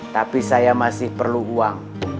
tapi saya masih perlu uang